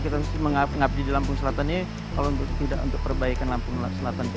kita mengabdi di lampung selatan ini kalau tidak untuk perbaikan lampung selatan